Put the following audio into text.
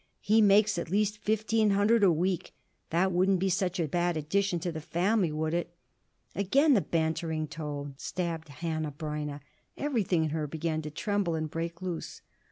He makes at least fifteen hundred a week. That wouldn't be such a bad addition to the family, would it?" Again the bantering tone stabbed Hanneh Breineh. Everything in her began to tremble and break loose.